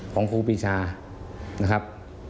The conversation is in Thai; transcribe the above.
ของครูปรีชานะครับ